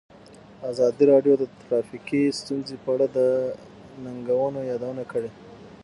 ازادي راډیو د ټرافیکي ستونزې په اړه د ننګونو یادونه کړې.